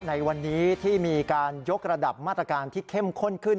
ในวันนี้ที่มีการยกระดับมาตรการที่เข้มข้นขึ้น